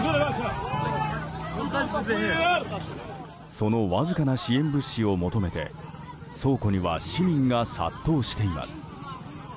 そのわずかな支援物資を求めて倉庫には市民が殺到しています。